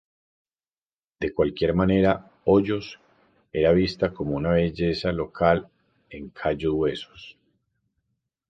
De cualquier manera, Hoyos era vista como una belleza local en Cayo Hueso.